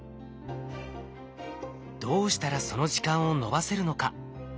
どうしたらその時間を延ばせるのか。